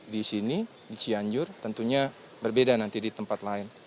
di sini di cianjur tentunya berbeda nanti di tempat lain